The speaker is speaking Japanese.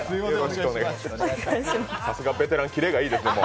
さすがベテラン、キレがいいですね。